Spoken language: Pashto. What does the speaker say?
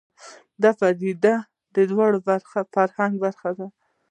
دا پدیدې د دور فرهنګ برخه کېږي